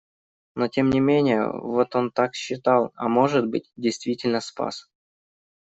Но, тем не менее, вот он так считал, а может быть, действительно спас.